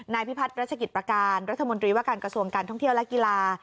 พิพัฒน์รัชกิจประการรัฐมนตรีว่าการกระทรวงการท่องเที่ยวและกีฬา